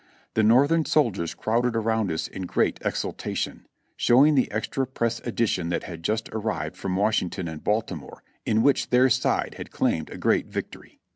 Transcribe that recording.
The Northern soldiers crowded around us in great exultation, showing the Extra Press Edition that had just arrived from Washington and Baltimore, in which their side had claimed a great victory.